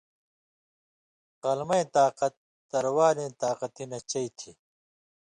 قلمَیں طاقت تروالیں طاقتی نہ چئ تھی